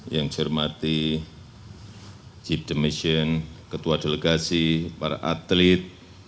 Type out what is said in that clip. yang saya hormati chief demission ketua delegasi para atlet